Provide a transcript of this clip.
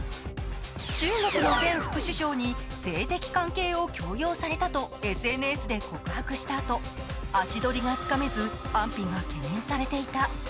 中国の前副首相に性的関係を強要されたとＳＮＳで告白したあと足取りがつかめず安否が懸念されていた。